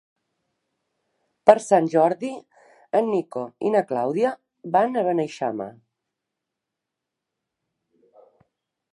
Per Sant Jordi en Nico i na Clàudia van a Beneixama.